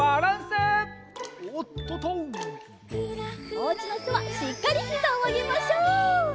おうちのひとはしっかりひざをあげましょう！